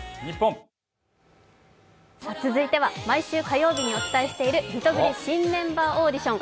続いては毎週火曜日にお伝えしているリトグリ新オーディション。